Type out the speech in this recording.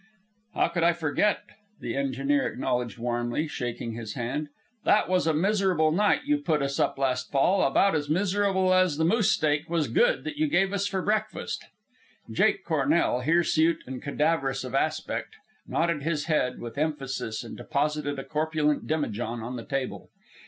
"How could I forget?" the engineer acknowledged warmly, shaking his hand. "That was a miserable night you put us up last fall, about as miserable as the moose steak was good that you gave us for breakfast." Jake Cornell, hirsute and cadaverous of aspect, nodded his head with emphasis and deposited a corpulent demijohn on the table.